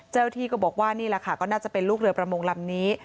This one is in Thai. ที่ก็บอกว่านี่แหละค่ะก็น่าจะเป็นลูกเรือประมงลำนี้